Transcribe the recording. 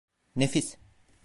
Nefis.